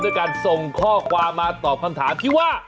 ด้วยการส่งข้อความมาตอบคำถามที่ว่า